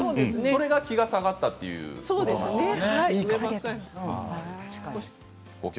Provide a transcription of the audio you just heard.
それが気が下がったということなんです。